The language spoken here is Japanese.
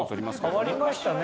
変わりましたね。